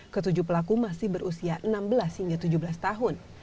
ketujuh pelaku masih berusia enam belas hingga tujuh belas tahun